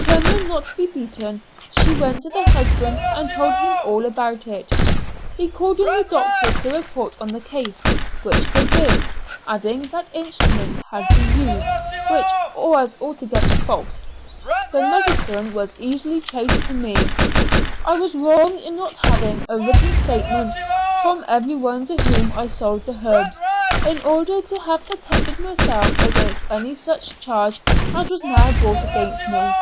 Determined not to be beaten, she went to the husband and told him all about it. He called in doctors to report on the case, which they did, adding that instruments had been used, which was altogether false. The medicine was easily traced to me. Where I was wrong was, in not having a written statement from everyone to whom I sold the herbs, in order to have protected myself against any such charge as was now brought against me.